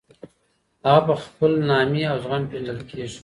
هغه په خپل نامې او زغم پېژندل کېدی.